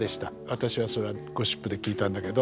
私はそれはゴシップで聞いたんだけど。